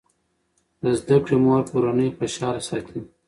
د زده کړې مور کورنۍ خوشاله ساتي.